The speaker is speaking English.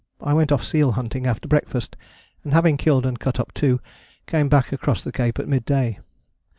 I went off seal hunting after breakfast, and having killed and cut up two, came back across the Cape at mid day.